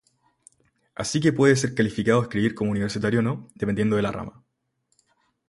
Así que puede ser calificado escribir como universitario o no, dependiendo de la rama.